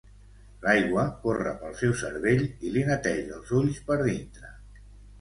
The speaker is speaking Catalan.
L'aigua corre pel seu cervell i li neteja els ulls per dintre.